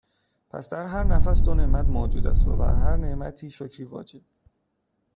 پس در هر نفس دو نعمت موجود است و بر هر نعمتی شکری واجب